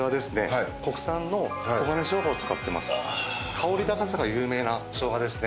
香り高さが有名な生姜ですね。